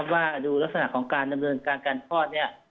ว่าดูลักษณะของการดำเนินการการคลอดเนี่ย